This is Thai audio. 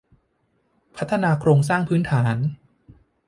พัฒนาโครงสร้างพื้นฐาน